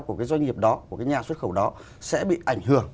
của cái doanh nghiệp đó của cái nhà xuất khẩu đó sẽ bị ảnh hưởng